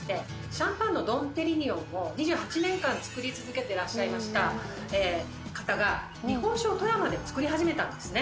シャンパンのドンペリニヨンを２８年間造り続けてらっしゃいました方が日本酒を富山で造り始めたんですね。